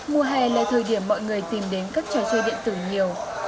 mùa hè là thời điểm mọi người tìm đến các trò chơi điện tử nhiều